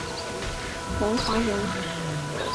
王华人。